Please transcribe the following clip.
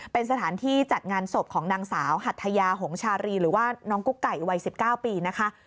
เป็นสถานที่จัดงานศพของนางสาวหัทยาหงชารีหรือว่าน้องกุ๊กไก่วัย๑๙ปีนะคะ